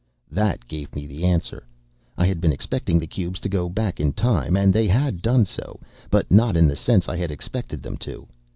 "That gave me the answer. I had been expecting the cubes to go back in time, and they had done so, but not in the sense I had expected them to.